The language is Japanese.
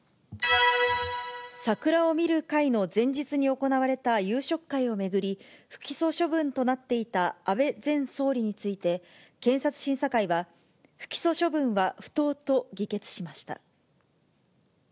桜を見る会の前日に行われた夕食会を巡り、不起訴処分となっていた安倍前総理について、検察審査会は、不起訴処分は不当と議決しました。